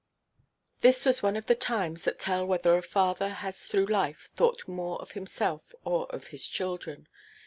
This was one of the times that tell whether a father has through life thought more of himself or of his children.